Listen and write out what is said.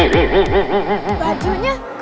orang tuhan dan inik